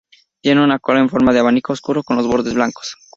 Tiene una cola en forma de abanico oscura, con los bordes blancos.